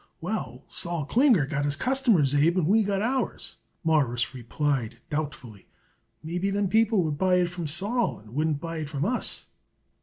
"Well, Sol Klinger got his customers, Abe, and we got ours," Morris replied doubtfully. "Maybe them people would buy it from Sol and wouldn't buy it from us."